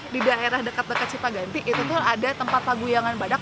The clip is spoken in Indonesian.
di daerah dekat dekat cipaganti itu tuh ada tempat paguyangan badak